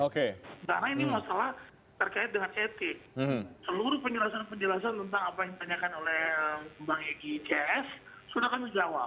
karena ini masalah terkait dengan etik seluruh penjelasan penjelasan tentang apa yang ditanyakan oleh bang egy ks sudah kami jawab